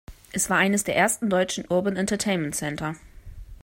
Es war eines der ersten deutschen Urban-Entertainment-Center.